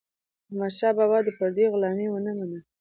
احمدشاه بابا د پردیو غلامي ونه منله.